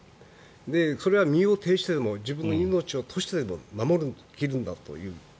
それは身を挺してでも自分の命を賭してでも守り切るんだという。